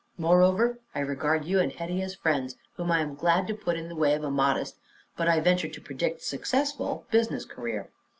Moreover, I regard you and Hetty as friends whom I am glad to put in the way of a modest but I venture to predict a successful business career.